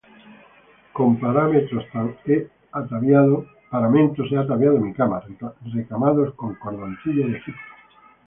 Con paramentos he ataviado mi cama, Recamados con cordoncillo de Egipto.